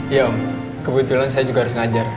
iya om kebetulan saya juga harus ngajar